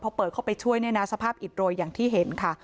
พอเปิดเข้าไปช่วยเนี่ยนะสภาพอิดโรยอย่างที่เห็นค่ะ